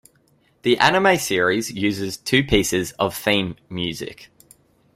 The anime series uses two pieces of theme music.